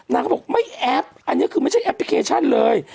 เขาบอกไม่แอปอันนี้คือไม่ใช่แอปพลิเคชันเลย